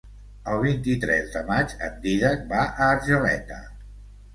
El vint-i-tres de maig en Dídac va a Argeleta.